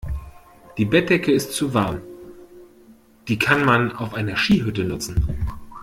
Die Bettdecke ist zu warm. Die kann man auf einer Skihütte nutzen.